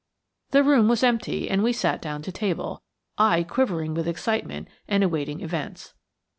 The room was empty and we sat down to table, I quivering with excitement and awaiting events.